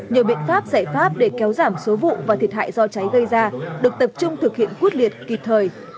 nhiều biện pháp giải pháp để kéo giảm số vụ và thiệt hại do cháy gây ra được tập trung thực hiện quyết liệt kịp thời